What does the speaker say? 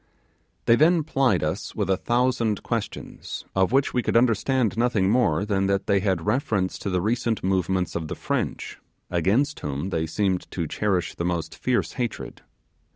Then they plied us with a thousand questions, of which we could understand nothing more than that they had reference to the recent movements of the French, against whom they seemed to cherish the most fierce hatred.